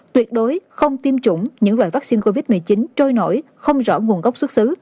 tuyệt đối không tiêm chủng những loại vaccine covid một mươi chín trôi nổi không rõ nguồn gốc xuất xứ